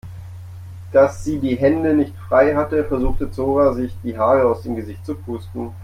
Da sie die Hände nicht frei hatte, versuchte Zora sich die Haare aus dem Gesicht zu pusten.